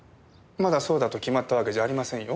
まだそうだと決まったわけじゃありませんよ。